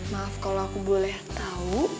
maaf kalau aku boleh tahu